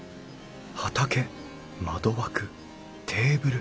畑窓枠テーブル。